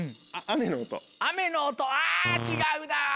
雨の音は違うな。